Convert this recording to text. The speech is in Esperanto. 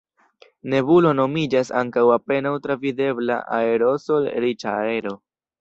Nebulo nomiĝas ankaŭ apenaŭ travidebla aerosol-riĉa aero.